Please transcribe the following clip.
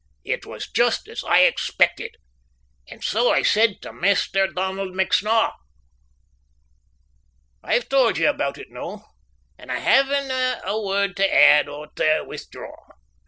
It was just as I expeckit, and so I said tae Maister Donald McSnaw. I've tauld ye a' aboot it noo, and I havena a word tae add or tae withdraw.